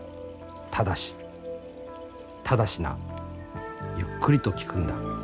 ただしただしなゆっくりと聞くんだ。